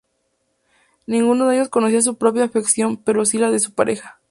Ninguno de ellos conocía su propia afección, pero sí la de su pareja.